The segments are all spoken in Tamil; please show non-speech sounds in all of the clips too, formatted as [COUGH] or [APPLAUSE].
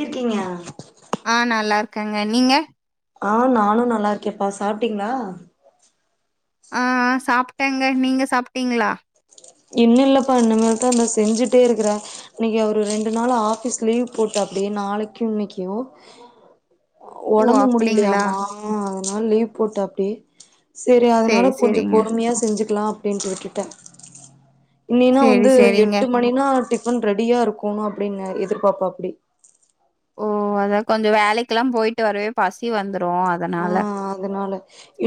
எப்டி இருக்கீங்க ஆ நல்லா இருக்கேங்க நீங்க ஆ நானு நல்லா இருக்கேன்ப்பா சாப்ட்டேங்களா சாப்ட்டேன்ங்க நீங்க சாப்ட்டீங்களா இன்னு இல்லப்பா இன்னுமேல தா நா செஞ்சுட்டே இருக்குறே இன்னைக்கு அவர் ரெண்டு நாள் ஆபிஸ் லீவ் போட்டார் அப்படி நாளைக்கு இன்னைக்கு ஓ! ஒடம்பு அப்டிங்களா? முடியலையாமா அதுனால லீவ் போட்டாப்டி சரி அதனால கொஞ்ச பொறுமையா செஞ்சுக்கலா அப்படின்னுட்டு விட்டுட்டே இல்லனா சரி, வந்து சரிங்க. எட்டு மணினா டிப் ன் ரெடியா இருக்கணும்னு அப்படின்னு எதிர்பார்ப்பாப்டி ஓ அதா கொஞ்ச வேலைக்குல்லா போயிட்டு வரவே பசி வந்துரு ஆ அதனால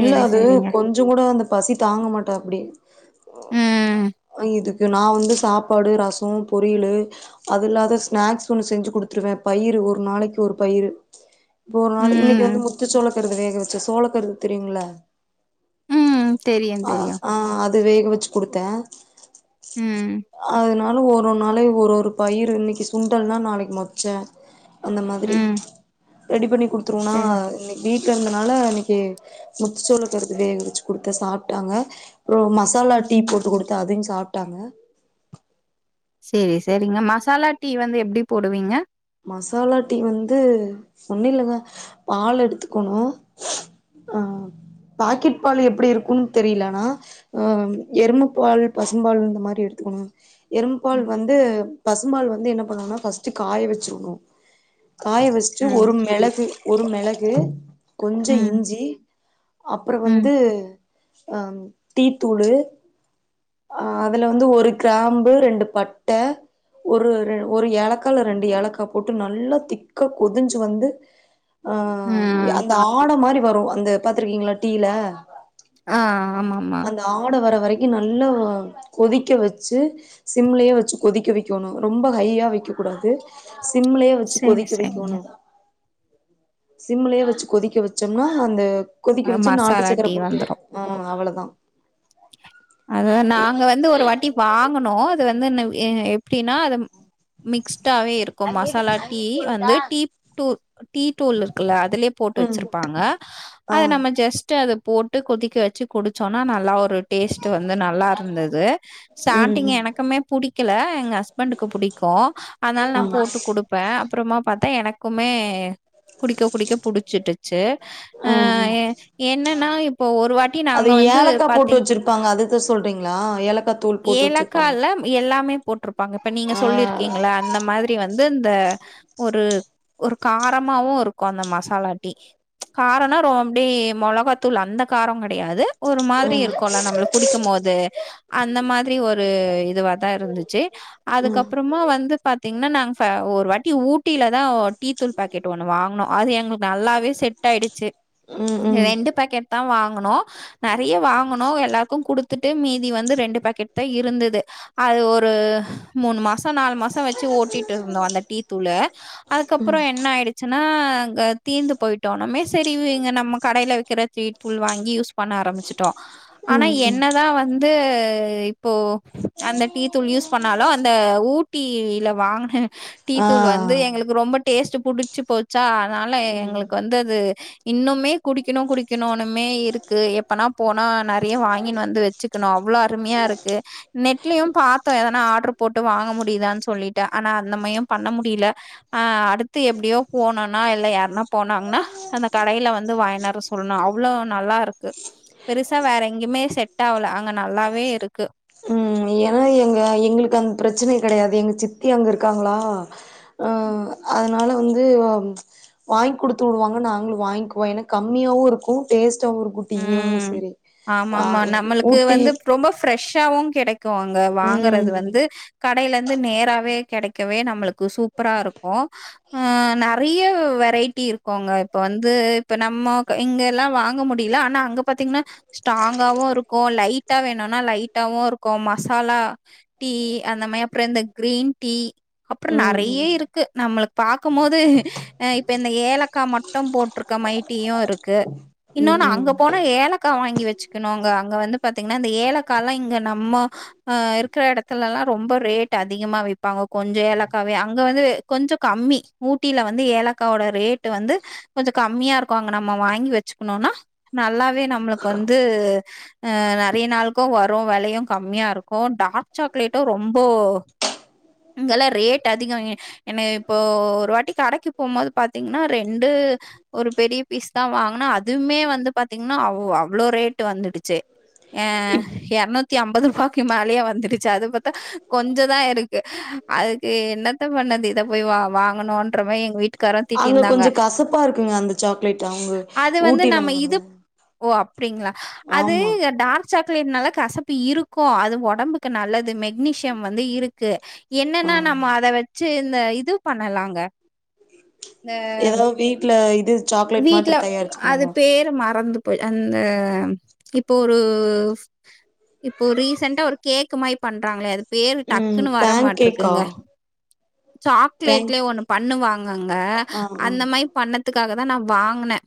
இல்ல அது சரிங்க. கொஞ்ச கூட அந்த பசி தாங்க மாட்டாப்டி ம், இது நா வந்து சாப்பாடு ரசம் பொரியலு அது இல்லாத ஸ்நாக்ஸ் ஒன்னு செஞ்சு கொடுத்துருவே பயிரு ஒரு நாளைக்கு ஒரு பயிரு இப்ப ஒரு நாள் இன்னைக்கு வந்து ம், முத்து சோளக்கருது வேக வச்சு சோளக்கருது தெரியுங்கள்ல ம். தெரியும், அ தெரியும். ஆ அது வேக வச்சு கொடுத்தே ம், அதுனா னால ஒரு நாளைக்கு ஒரு ஒரு பயிர் இன்னைக்கு சுண்டல்னா நாளைக்கு மொச்ச அந்த மாதிரி ம். ரெடி பண்ணி குடுத்துருவனா சரி. இன்னைக் வீட்ல இருந்தனால இன்னைக்கு முத்துச்சோளக்கருது இருந்துச்சி குடுத்தேன் சாப்ட்டாங்க அப்பரோ மசால் டீ போட்டு கொடுத்தேன் அதயும் சாப்டாங்க சேரி சேரிங்க மசாலா டீ வந்து எப்டி போடுவீங்க மசாலா டீ வந்து ஒன்னுலங்க பால் எடுத்துக்கணு ஆ பாக்கெட் பால் எப்படி இருக்குன்னு தெரியலனா ஆனா எரும பால் பசும் பால் இந்த மாதிரி எடுத் ம் எருமபால் ம், வந்து பசும்பால் வந்து என்ன பண்ணுனா ஃபஸ்ட் காய வச் டும் காய வச்சுட்டு ஒரு ம், மெலகு ஒரு மெலகு கொஞ்ச ம், இஞ்சி அப்புறம் ம், வந்து ம் டீத்தூலு அ அதுல வந்து ஒரு கிராம்பு ரெண்டு பட்ட ஒரு ஒரு ஏலக்கா ரெண்டு ஏலக்கா போட்டு நல்லா திக்கா கொதிஞ்சு வந்து ஆ ம். அந்த ஆட மாரி வரும் அந்த பாத்திருக்கீங்களா டீல ஆ ஆ அந்த ஆட வர வரைக் நல்லா கொதிக்க வச்சு சிம்லயே வச்சு கொதிக்க வைக்கணு ரொம்ப ஹையா வைக்க கூடாது சிம்லயே வச்சு சரி, கொதிக்க சரிங்க. வைக்கணு சிம்லயே வச்சு கொதிக்க வச்சோம்னா அந்த கொதிக்க அ வச்சு நாட்டு மசாலா சக்கர டீ போட்டு வந்துரும். அவ்ளோதா அத நாங்க வந்து ஒரு வாட்டி வாங்கனோ அது வந்து எப்படின்னா அத மிக்ஸ் டாவே இருக்கும் மசாலா டீ வந்து டீ டீத்தூள் இருக்குல்ல அதுலயே போட்டு ம். வச்சிருப்பாங்க ஆ. அத நம்ம ஜஸ்ட் அத போட்டு கொதிக்க வச்சு குடிச்சோம்னா நல்லா ஒரு ட் வந்து நல்லா இருந்தது ஸ்டாட்டிங்ல ம். எனக்குமே புடிக்கல எங்க ஹஸ்பண்டுக்கு புடிக்கு அதனால நா போட்டு குடுப்பே அப்புறமா பாத்தா எனக்குமே குடிக்க குடிக்க புடிச்சிட்டுச்சு அ ஆ, ஆ. என்னன்னா இப்போ ஒரு வாட்டி நா அது ஏலக்கா போட்டு வச்சிருப்பாங்க அதுத சொல்றீங்களா ஏலக்கா தூள் போட்டு வச்சிருப்பாங்க ஏலக்கால எல்லாமே போட்ருப்பாங்க இப்ப நீங்க ஆ சொல்லிருக்கீங்கள்ல அந்த மாதிரி வந்து இந்த ஒரு ஒரு காரமாவும் இருக்கும் அந்த மசாலாட்டீ காரம்னா ரொப்டி மொலகாத்தூள் அந்த காரம் கடையாது ஒரு மாதிரி ம் இருக்குல நம்ம குடிக்கும் போது அந்த மாதி ரி ஒரு இதுவா தான் இருந்துச்சு ம் அதுக்கப்புறமா வந்து பாத்தீங்கன்னா நா ஒரு வாட்டி ஊட் ஊட்டில தான் டீ தூள் பாக்கெட் ஒன்னு வாங்குனோ அது எங்களுக்கு நல்லாவே செட் ஆயிடுச்சு ம் ம் ரெண்டு பேக்கெட் தான் வாங்கனு நறைய வாங்க கணு எல்லாருக்கு கொடுத்துட்டு மீதி வந்து ரெண்டு பாக்கெட் தான் இருந்தது அது ஒரு மூணு மாசம் நாலு மாசம் வச்சு ஓட்டிட்டு இருந்தோ அந்த டீ தூள அதுக்கப்புற ம் என்ன ஆயிடுச்சுன்னா ஆ தீர்ந்து போயிட்டுனமே சரி இங்க நம்ம கடையில் விக்கிற டீதூள் வாங்கி யூஸ் பண்ண ஆரம்பிச்சு ஆனா ம் ம் என்ன தா வந்து இப்போ அந்த டீ தூள் யூஸ் பண்ணாலு அந்த ஊட் ஊட்டில வாங்கின டீ ஆ தூள் வந்து எங்களுக்கு ரொம்ப டேஸ்ட் புடிச்சு போச் ச்சா அதனால ம் எங்களுக்கு வந்து அது இன்னுமே குடிக்கணு குடிக்கணும்னுமே இருக்கு எப்பனா போனா நறைய வாங்கனு வந்து வச்சுக்கணு அவ்வளோ அருமையா இருக்கு நெட்லயும் பாத்தோம் ஏதனா ஆர்டர் போட்டு வாங்க முடியுதான்னு சொல்லிட்டு ஆனா அந்த மைம் பண்ண முடியல அடுத்து எப்படியோ போனோனா இல்ல யாருன்னா போனாங்கன்னா அந்த கடையில வந்து வாயனார சொல்லணு அவ்வளவு நல்லா இருக்கு பெருசா வேற எங்கேயுமே செட் ஆவுல அங்க நல்லாவே இருக்கு ம் ஏன்னா எங்க எங்களுக்கு அந்த பிரச்சனை கிடையாது எங்க சித்தி அங்கே இருக்காங்களா ஆ அதனால வந்து வாங்கி குடுத்து உடுவாங்க நாங்களும் வாங்கிக்குவம் ஏன்னா கம்மியாவும் இருக்கும் டேஸ்ட் ஒரு குட்டி ஈயமு ம். சரி ஆ ஊட்டி யாவு கெடைக்கு அங்க ம் வாங்கறது வந்து கடையில இருந்து நேராவே கெடைக்கவே நம்மளுக்கு சூப்பரா இருக்கு அ நறைய வெ ரைட்டி இருக்குங்க இப்ப வந்து இப்ப நம்ம இங்க எல்லா வாங்க முடி ல ஆனா அங்க பாத்திங்னா ஸ்ட்ராங்கவு இருக்கு லைட்டா வேணுனா லைட்டாவு இருக்கு மசாலா டீ அந்த மாரி அப்பற இந்த கிரீன் டீ அப்பற ம் நறைய ம் இருக்கு நம்மளுக்கு பாக்குமோது அ இப்ப இந்த ஏலக்கா மட் டு போட்ருக்க மார் டீயு இருக்கு ம் இன்னொனு ம் அங்க போன ஏலக்கா வாங் கி வச்சுக்கணுங்க அங்க வந்து பாத்திங்னா இந்த ஏலக்காலா இங்க நம்ம இருக்கிற எடத்துலல்லா ரொம்ப ரேட் அதிகமா விப்பாங்க கொஞ்ச ஏலக்காவே அங்க வந்து கொஞ்ச கம்மி ஊட்டில வந்து ஏலக்கா ஓட ரேட் வந்து கொஞ்ச கம்மியா இருக்கு அங்க நம்ம வாங்கி வ னுனா நல்லாவே நம்மளுக்கு வந்து அ நறைய நாள் க்கு வரு வெலையு கம்மியா இருக்கு டார்க் சாக்லேட்டு ரொம்பொ இங்கெல்லா ரேட் அதிக எ என்ன இப்போ ஒரு வாட்டிக்கு கடைக்கு போம்போது பாத்திங்னா ரெண்டு ஒரு பெரிய பிஸ்தா வாங்னா அது மே வந்து பாத்திங்னா அவ் அவ்ளோ ரேட் வந்துடுச்சு எ இப் எரநூ த்தி அம்பது ருபாக்கு மேலயே வந்துடு ச்சு அது பாத்தா கொஞ்சதா இருக்கு அதுக்கு என்னத்த பண்ணது இத போய் வா வாங்கணுன்ற மாரி எங்க வீட்டுக்காரு திட்டிருந்தாங்க ப்பா இருக்குங்க அந்த சாக்லேட் அவுங்க வந்து நம்ம இது ஓ அப்டிங்ளா அது ஆமா டார்க் சாக் லட்னால கசப்பு இருக்கு அது ஒடம்புக்கு நல்லது மெக்னீசியம் வந்து இருக்கு ஆ என்னன்னா நம்ம அத வச்சு இந்த இது பண்ணலாங்க இந்த எதாது வீட்ல இது சாக்லேட் வீட்ல மாட்டு அது தயாரிச்சுக்கலாங்க பேரு மறந்து பே அந்த இப்ப ஒரு இப்போ ரீசெண்ட்டா ஒரு கேக் மாரி பண்றாங்களே அது பேரு ம் டக்குன்னு வர பேன் கேக்கா மாட்ருக்குங்க பேன் சாக்லேட்லயே ஒண்ணு பண்ணுவாங்கங்க ஆ ஆ அந்த மாரி பண்ணதுக்காக தா நா வாங்குனே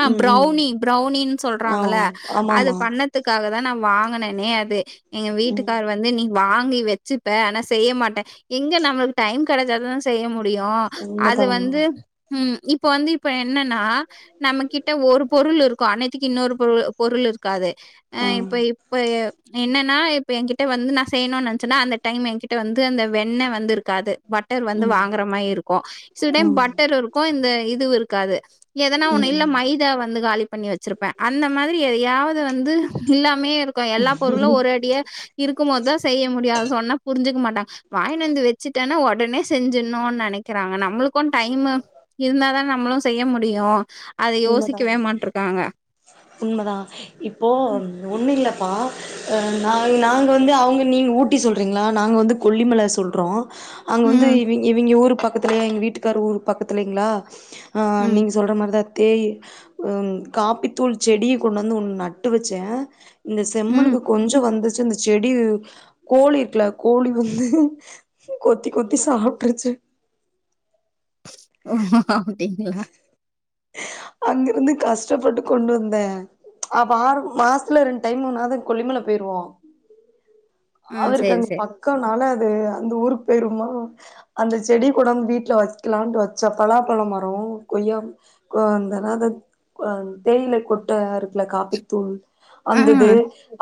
அ ம் ம் ப்ரௌனி ப்ரௌனினு ஆ சொல்றாங்கல்ல ஆமா அது ஆமா பண்ணதுக்காக தா நா வாங்கனனே அது எங்க ம் வீட்டுக்காரு வந்து நீ வாங்கி வச்சுப்ப ஆனா செய்ய மாட்ட எங்க நமளுக்கு டைம் கெடைச்சாத தான செய்ய மு டியு அது உண்மதா வந்து உண்மதா ம் இப்ப வந்து இப்ப என்னன்னா நம்ம கிட்ட ஒரு பொருள் இருக்கு அன்னேரத்திக்கு இன்னொரு பொருள் பொருளு இரு க்காது ஆ இப்ப இப்ப என்னன்னா இப்ப எங்கிட்ட வந்து நா செய்யணுன் நெனைச்சன்னா அந்த டைம் எங்கிட்ட வந்து அந்த வெண்ணெ வந்து இருக்காது பட்டர் வந்து ம் வாங்கற மாரி இருக்கு சில ஆ டைம் ம் பட்டர் இருக்கு இந்த இதுவு இருக்காது எதனா ஒன்னு இல்ல ம் மைதா வந்து காலி பண்ணி வச்சிருப்பே அந்த மாரி எதையாவுது வந்து இல்லாமயே இருக்கு எல்லா பொருளு ஒரு அடியே இருக்கும் போதுதா செய்ய முடியு அத சொன்னா புரிஞ்சுக்க மாட் டாங் வாங்கினு வந்து வச்சுட்டனா ஒடனே செஞ்சர்ணுன் நெனைக்கறாங்க நம்மளுக்கு டைமு இருந்தா தான நம்மளு செய்ய முடியு உண்மதா உண்மதா இப்போ ஒண்ணு இல்ல பா நா நாங்க வந்து அவுங்க நீங்க ஊட்டி சொல்றிங்ளா நாங்க வந்து கொல்லிமல சொல்றோ அங்க வந்து ம், இவி இவிங்க ஊரு பக்கத்துலயா எங்க வீட்டுக்காரு ஊரு பக்கத்துலைங்ளா ஆ ம், நீங்க சொல்ற மாரி தா தேயி ம் காப்பித்தூள் செடிய கொண்டு வந்து ஒன்னு நட்டு வச்சே இந்த ம். செம்மண்ணுக்கு கொஞ்ச வந்து ச்சு இந்த செடி கோழி இருக்குல கோழி வந்து கொத்தி கொத்தி சாப்ட்ருச்சு [UNINTELLIGIBLE] ஓ அப்டிங்களா அங்கிருந்து கஷ்டப்பட்டு கொண்டு வந்தே அப்ப ஆறு மாசத்துல ரெண்டு டைம் ஒன்னாது கொல்லிமல போயிருவோ ஆ அவருக்கு சேரி அங்க சேரி பக்கனால அது அந்த ஊருக்கு போயிருவோமா அந்த செடி கொண்டாந்து வீட்டுல வெக்கலான்ட்டு வெச்சே பலாப்பழ மரோ அ கொய்யா கோ [UNINTELLIGIBLE] அ தேயில கொட்ட இருக்குல காப்பித்தூள் ஆ வந்தது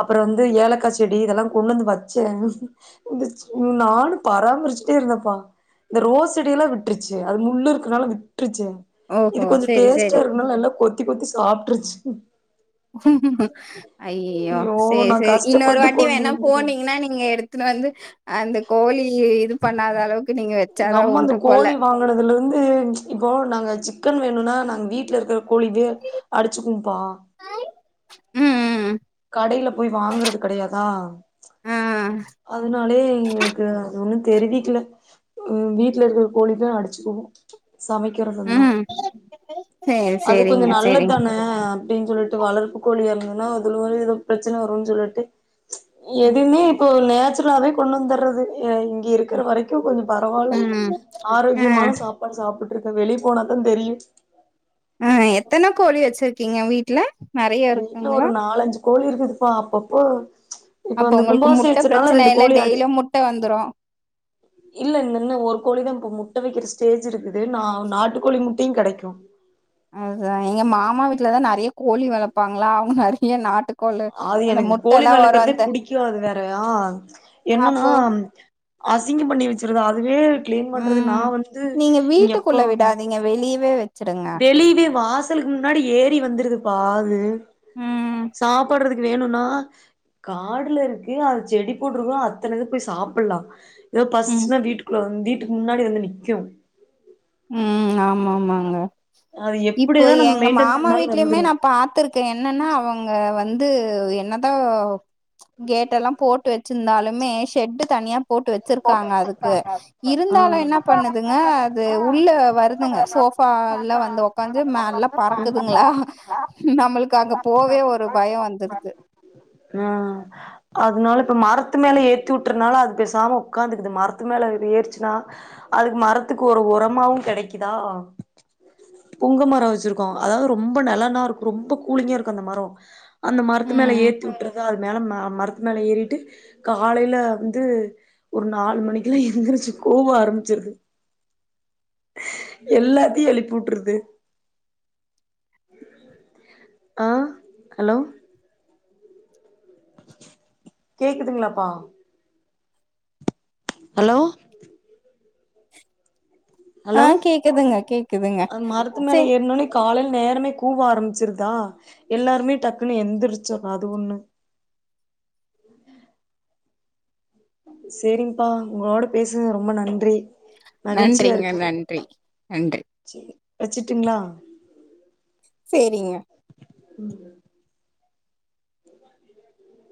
அ புறோ வந்து ஏலக்கா செடி இதெல்லா கொண்டு வந்து வெச்சே இந்துச்சுனு நானு பராமரிச்சிட்டே இரு ந்தேப்பா இந்த ரோஸ் செடியெல்லாம் விட்ருச்சு அது முள்ளு இருக்கனால வி ட்ருச்சு இது ஓஹோ கொஞ்சோ சேரி சேரி டேஸ்ட்டா இருக்குனால நல்லா கொத்தி கொத்தி சாப்ட்ருச்சு ஐயயோ ஐயோ சேரி நா செரி இன்னொரு கஷ்டப்பட்டு வாட்டி கொண்டு வேணா வந்தே போனீங்கன்னா நீங்க எடுத்துனு வந்து அந்த கோழி இது பண்ணாத அளவுக் எங்க அம்மா அந்த கோழி வாங்குனதுல இருந் து இப்போ நாங்க சிக்கன் வேணுனா நாங்க வீட்ல இருக்குற கோழிவே அடிச்சுக்கும்பா ம் ம் கடையில போய் வாங்கறது கெடையாதா ஆ அதனாலயே எங்களுக்கு ஒண்ணு தெரிவிக்குல ம் வீட்ல இருக்குற கோழி தா அடிச்சுக்குவோ சமைக்கிறதுருந்தா ம் சேரி அது கொஞ்சொ சேரிங்க நல்லது சேரிங்க தானே அப்டின் சொல் டு வளர்ப்பு கோழியா இருந்ததுன்னா அதுனால எதா பிரச்சன வரு சொல்லிட்டு ம் எதுமே இப்போ நே சுரலாவே கொண்டு வந்துட்றது ஆ இங்க இருக்குற ம் வரைக்கு கொஞ்சொ பரவால்ல ம் ஆ ஆரோக்கியமான சாப்பாடு சாப்புட் இருக்கு வெளியே போனாதா தெரியு க்கீங்க வீட்ல நெறைய வீட்ல ஒரு இருக்குங்களா நாலஞ்சு கோழி இருக்குதுப்பா அப்பப்போ இப்போ அப்ப அந்த உங்களுக்கு கும்பாவிச முட்ட வெச்சதுனால பிரச்சன ரெண்டு இல்ல கோழி ஆண்டு டெய்லியும் முட்ட வந்துரு இல்ல இந்தென்ன ஒரு கோழிதா இப்போ மு ட்ட வைக்கிற ஸ்டேஜ் இருக்குது நா நாட்டுக்கோழி முட்டையு கெடைக்கு அதா எங்க மாமா வீட்லதா நெறைய கோழி வளப்பாங்களா அவங்க நெறைய நாட்டுக் அது எனக்கு கோழி வளர்க்கறதே புடிக்காது வெறயா என்னன்னா அப்போ அசிங்கம் பண்ணி வெச்சிருது அதுவே கிளீன் பண்றது நா ம் வந்து நீங்க இங்க வீட்டுக்குள்ள எப்ப விடாதீங்க வெளியவே வச்சிடுங்க வெளியவே வாசலுக்கு முன்னாடி ஏறி வந்துருதுப்பா அது ம் சாப்புடுறதுக்கு வேணுனா காடுல இருக்கு அது செடி போட்ருக்கோ அத்தன இது போய் சாப்புட்லா ஏ ம் பஸ்ச்னா வீட்டுக்குள்ள வ வீட்டுக்கு முன்னாடி வந்து நிக்கு ம் ஆமாமாங்க அது இப்போ எப்படிதான் நம்ம எங்க மெயின்டென் மாமா பண்ணாலும் வீட்லயுமே நா வந்துரும் பாத்துருக்கே என்னன்னா அவங்க வந் து என்னதா கேட் எல்லா போட்டு வெச்சிருந்தாலுமே ஷெட்டு தனியா போட்டு வெச்சிருக்காங்க அதுக்கு ஆ இருந்தாலு என்ன பண்ணுதுங்க அ உள்ள வருதுங்க சோஃபால வந்து உக்காந்து மேல்லா பறக்குதுங்களா நம் மளுக்கு அங்க போக ஒரு பயோ வந்துருது ம் அதுனால இப்ப மரத்து மேல ஏத்தி உட்றுனால அது பேசாம உக்காந்துக்குது மரத்து மேல ஏருச்சுனா அதுக்கு மரத்துக்கு ஒரு ஒரமாவு கெடைக்குதா புங்க மர வெச்சிருக்கோ அதாவது ரொம்ப நெலன்னா இருக்கு ரொம்ப கூலிங்கா இருக்கு அந்த மரோ அந்த மரத்து மேல ம் ஏத்தி வுட்றுதா அது மேல ம மரத்து மேல ஏறிட்டு காலையில வந்து ஒரு நாலு மணிக்குல்லா எழுந்துருச்சு கூவ ஆரம்பிச்சிருது எல்லாத்தையு எழுப்பி விட்ருது ஆ ஹலோ கேக்குதுங்களாப்பா ஹலோ ஆ ஹலோ கேக்குதுங்க கேக்குதுங்க அது மரத்து மேல சே ஏறனும்னே காலையில நேரமே கூவ ஆரம்பிச்சிருதா எல்லாருமே டக்குன்னு எந்தருசிரோம் அது ஒண்ணு சேரிப்பா உங்களோட பேசுது ரொம்ப நன்றி மகிழ்ச்சியா நன்றிங்க இருக்கு நன்றி நன்றி. வச்சுட்டுங்களா சேரிங்க